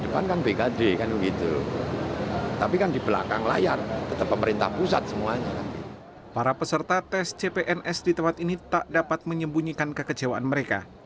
para peserta tes cpns di tempat ini tak dapat menyembunyikan kekecewaan mereka